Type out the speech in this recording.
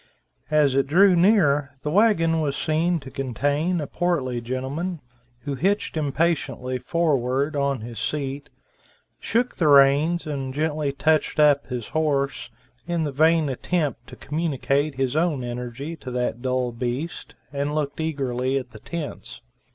As it drew near, the wagon was seen to contain a portly gentleman, who hitched impatiently forward on his seat, shook the reins and gently touched up his horse, in the vain attempt to communicate his own energy to that dull beast, and looked eagerly at the tents.